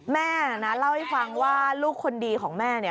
แม่นะเล่าให้ฟังว่าลูกคนดีของแม่เนี่ย